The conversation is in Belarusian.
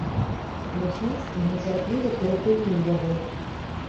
Лясніцкі нецярпліва перапыніў яго.